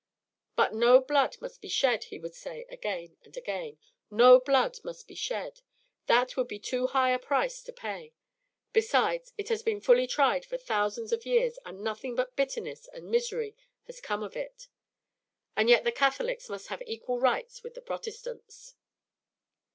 "But no blood must be shed," he would say again and again. "No blood must be shed. That would be too high a price to pay. Besides, it has been fully tried for hundreds of years, and nothing but bitterness and misery has come of it. And yet the Catholics must have equal rights with the Protestants."